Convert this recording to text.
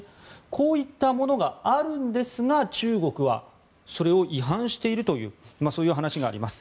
こういったものがあるんですが中国はそれを違反しているというそういう話があります。